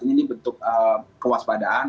ini bentuk kewaspadaan